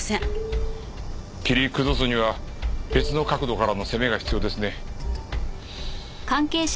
切り崩すには別の角度からの攻めが必要ですね。